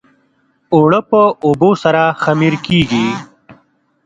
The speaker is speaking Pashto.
اوړه په اوبو سره خمیر کېږي